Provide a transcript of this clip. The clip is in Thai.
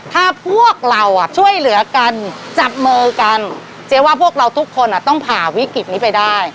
ถ้าพวกเราช่วยเหลือกันจับมือกันเจ๊ว่าพวกเราทุกคนต้องผ่าวิกฤตนี้ไปได้